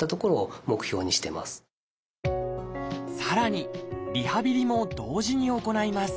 リハビリも同時に行います。